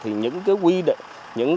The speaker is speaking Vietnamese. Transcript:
thì những cái quy định